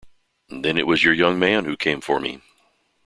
Then it was your young man who came for me.